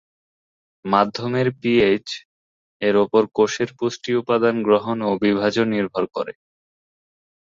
মাধ্যমের পিএইচ এর উপর কোষের পুষ্টি উপাদান গ্রহণ এবং বিভাজন নির্ভর করে।